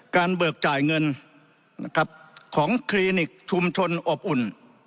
การเบิกจ่ายเงินของคลินิกชุมชนอบอุ่น